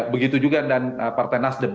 begitu juga dengan partai nasdem